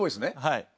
はい。